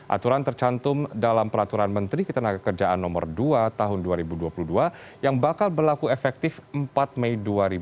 aturan tercantum dalam peraturan menteri ketenagakerjaan no dua tahun dua ribu dua puluh dua yang bakal berlaku efektif empat mei dua ribu dua puluh